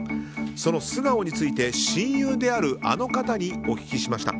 その素顔について、親友であるあの方にお聞きしました。